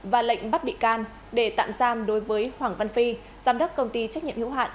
và lệnh bắt bị can để tạm giam đối với hoàng văn phi giám đốc công ty trách nhiệm hữu hạn